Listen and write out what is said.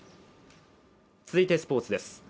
続いてスポーツです。